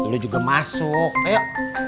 lu juga masuk ayo